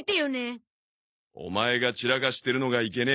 オマエが散らかしてるのがいけねえ。